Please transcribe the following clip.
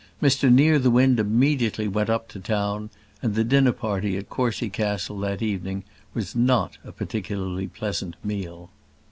Mr Nearthewinde immediately went up to town; and the dinner party at Courcy Castle that evening was not a particularly pleasant meal.